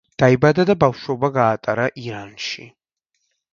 დაიბადა და ბავშვობა გაატარა ირანში.